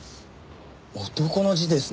男の字ですね。